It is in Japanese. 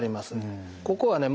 ここはね